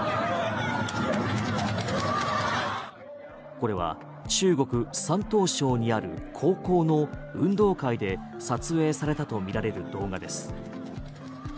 これは中国・山東省にある高校の運動会で撮影されたとみられる動画です。